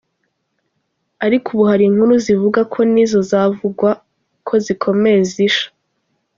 Ariko ubu hari inkuru zivuga ko n’izo zavugwa ko zikomeye zisha.